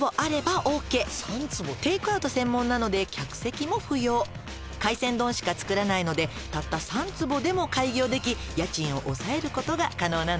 「テークアウト専門なので客席も不要」「海鮮丼しか作らないのでたった３坪でも開業でき家賃を抑えることが可能なのよ」